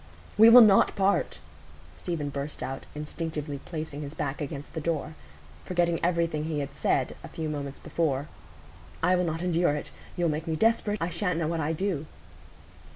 "We will not part," Stephen burst out, instinctively placing his back against the door, forgetting everything he had said a few moments before; "I will not endure it. You'll make me desperate; I sha'n't know what I do."